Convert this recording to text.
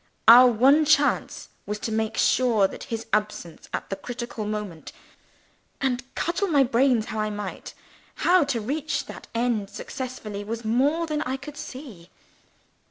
Our one chance was to make sure of his absence, at the critical moment and, cudgel my brains as I might, how to reach that end successfully was more than I could see.